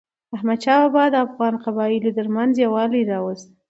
احمدشاه بابا د افغانو قبایلو ترمنځ یووالی راوست.